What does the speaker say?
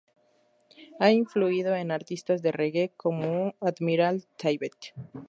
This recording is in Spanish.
Ha influido en artistas de reggae como Admiral Tibet.